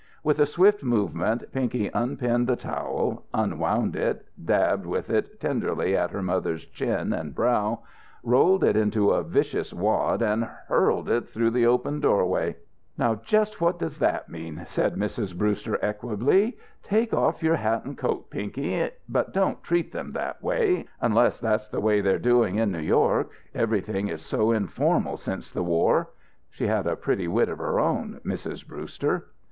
With a swift movement Pinky unpinned the towel, unwound it, dabbed with it tenderly at her mother's chin and brow, rolled it into a vicious wad and hurled it through the open doorway. "Now just what does that mean?" said Mrs. Brewster equably. "Take off your hat and coat, Pinky, but don't treat them that way unless that's the way they're doing in New York. Everything is so informal since the war." She had a pretty wit of her own, Mrs. Brewster.